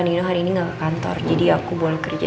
bisa meredakan itu semua